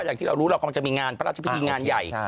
อย่างที่เรารู้เรากำลังจะมีงานพระราชพิธีงานใหญ่